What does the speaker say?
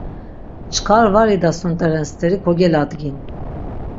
Çkar var idasunt̆eren steri kogeladgin.